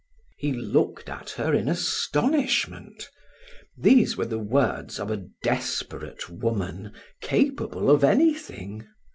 He looked at her in astonishment. These were the words of a desperate woman, capable of anything.